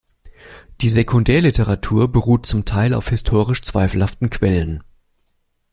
Die Sekundärliteratur beruht zum Teil auf historisch zweifelhaften Quellen.